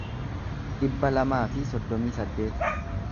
dhibba lamaa fi soddomii saddeet